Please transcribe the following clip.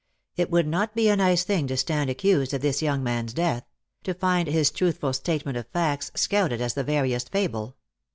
It would not be a nice thing to stand accused of this young man's death — to find his truthful statement of facts scouted as the veriest fable.